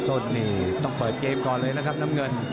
ต้นนี่ต้องเปิดเกมก่อนเลยนะครับน้ำเงิน